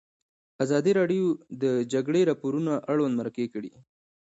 ازادي راډیو د د جګړې راپورونه اړوند مرکې کړي.